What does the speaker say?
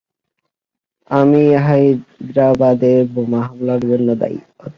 আমি হায়দ্রাবাদে বোমা হামলার জন্য দায়ী।